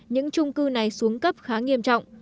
những chung cư này xuống cấp khá nghiêm trọng